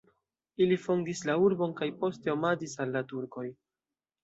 Ili fondis la urbon kaj poste omaĝis al la turkoj.